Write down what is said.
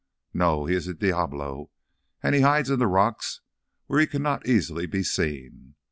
No, he is a diablo, and he hides in the rocks where he cannot easily be seen.